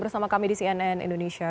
bersama kami di cnn indonesia